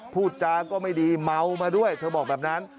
พูดจาก็ไม่ดีเมามาด้วยเธอบอกแบบนั้น